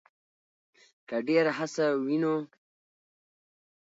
کې ډېره هڅه وينو